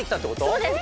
そうです